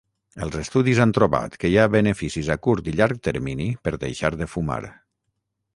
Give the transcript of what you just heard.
Els estudis han trobat que hi ha beneficis a curt i llarg termini per deixar de fumar.